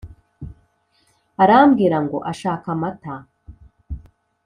arambwira ngo ashaka amata.